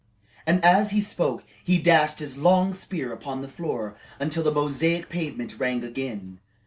And as he spoke he dashed his long spear upon the floor, until the mosaic pavement rang again.